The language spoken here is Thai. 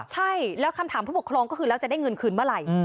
ใช่แล้วคำถามผู้ปกครองก็คือแล้วจะได้เงินคืนเมื่อไหร่